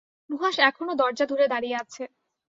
নুহাশ এখনো দরজা ধরে দাঁড়িয়ে আছে।